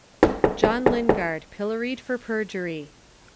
JOHN LINGARD, PILLORY'D FOR PERJURY.